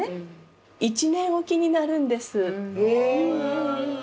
１年おきになるんです。